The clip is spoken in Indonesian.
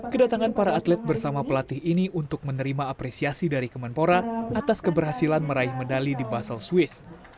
kedatangan para atlet bersama pelatih ini untuk menerima apresiasi dari kemenpora atas keberhasilan meraih medali di basel swiss